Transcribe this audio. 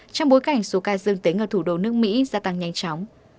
trong bối cảnh số ca dương tính ở thủ đô nước mỹ gia tăng nhanh chóng